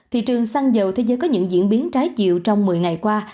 thị trường xăng dầu thế giới có những diễn biến trái chiều trong một mươi ngày qua